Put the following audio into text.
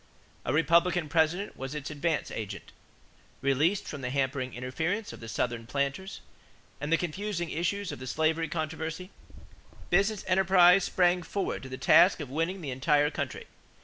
A Republican President was its "advance agent." Released from the hampering interference of the Southern planters and the confusing issues of the slavery controversy, business enterprise sprang forward to the task of winning the entire country.